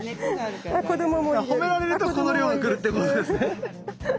褒められるとこの量がくるってことですね。